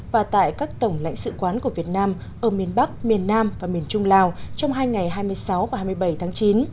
và tại các tổng lãnh sự quán của việt nam ở miền bắc miền nam và miền trung lào trong hai ngày hai mươi sáu và hai mươi bảy tháng chín